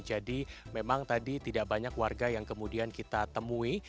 jadi memang tadi tidak banyak warga yang kemudian kita temui